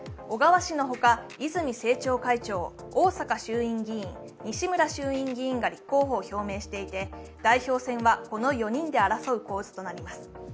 小川氏のほか、泉政調会長、逢坂政調会長、西村衆院議員が立候補を表明していて代表選はこの４人で争う構図となります。